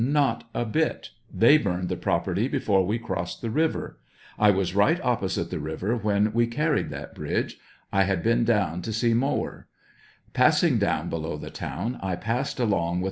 Not a bit; they burned the property before we crossed the river ; I was right opposite the river when we carried that bridge ; I had been down to see Mower; passing down below the town, I passed along with 84 i.